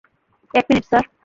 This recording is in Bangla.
এক মিনিট, স্যার!